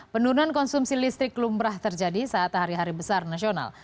penurunan konsumsi listrik lumrah terjadi saat hari hari besar nasional